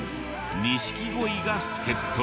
錦鯉が助っ人に。